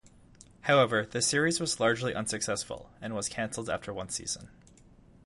However, the series was largely unsuccessful and was canceled after one season.